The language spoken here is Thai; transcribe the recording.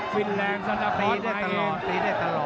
ฟินแรงสนาคอร์สไหนเอง